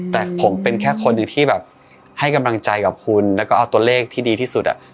แต่ผมเป็นแค่คนหนึ่งที่แบบให้กำลังใจกับคุณแล้วก็เอาตัวเลขที่ดีที่สุดอ่ะ